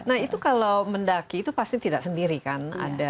nah itu kalau mendaki itu pasti tidak sendiri kan